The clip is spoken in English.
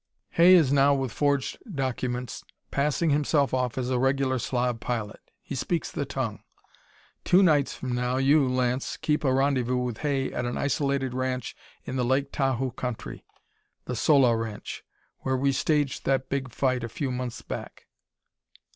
"Hay is now, with forged documents, passing himself off as a regular Slav pilot. He speaks the tongue. Two nights from now, you, Lance, keep a rendezvous with Hay at an isolated ranch in the Lake Tahoe country the Sola Ranch, where we staged that big fight a few months back."